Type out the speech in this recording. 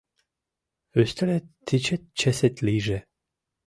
Ӱстелет тичет чесет лийже.